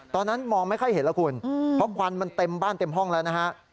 ตอนนั้นมองไม่ค่อยเห็นแล้วคุณเพราะควันมันเต็มบ้านเต็มห้องแล้วนะฮะ